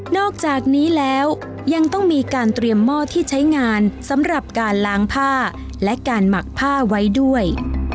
อกจากนี้แล้วยังต้องมีการเตรียมหม้อที่ใช้งานสำหรับการล้างผ้าและการหมักผ้าไว้ด้วย